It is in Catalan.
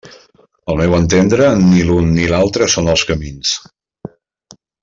Al meu entendre, ni l'un ni l'altre són els camins.